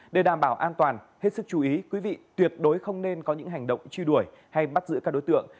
để đảm bảo an toàn hết sức chú ý quý vị tuyệt đối không nên có những hành động truy đuổi hay bắt giữ các đối tượng